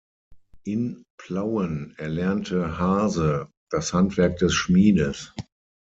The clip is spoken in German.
In Plauen erlernte Haase das Handwerk des Schmiedes.